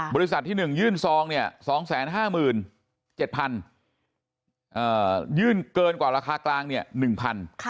บริษัทที่๑ยื่นซองเนี่ย๒๕๗๐๐ยื่นเกินกว่าราคากลางเนี่ย๑๐๐บาท